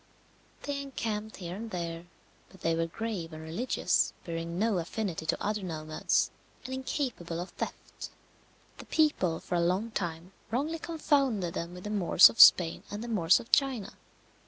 They encamped here and there, but they were grave and religious, bearing no affinity to other nomads, and incapable of theft. The people for a long time wrongly confounded them with the Moors of Spain and the Moors of China.